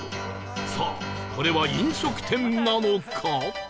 さあこれは飲食店なのか？